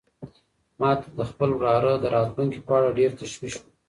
ما ته د خپل وراره د راتلونکي په اړه ډېر تشویش و.